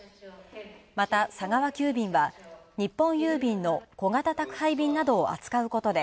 また、佐川急便は日本郵便の小型宅配便などを扱うことで